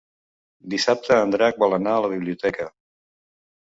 Dissabte en Drac vol anar a la biblioteca.